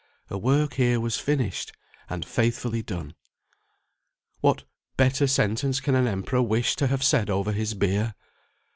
Her work here was finished, and faithfully done. What better sentence can an emperor wish to have said over his bier?